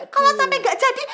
kalo sampe gak jadi